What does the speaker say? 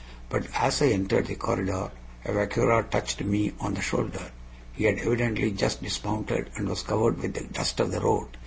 But as I entered the corridor a vaquero touched me on the shoulder. He had evidently just dismounted, and was covered with the dust of the road.